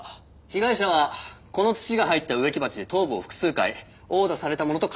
被害者はこの土が入った植木鉢で頭部を複数回殴打されたものと考えられます。